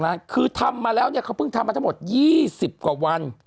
นะคือทำมาแล้วเนี่ยเขาเพิ่งทำมาทั้งหมด๒๐กว่าวัน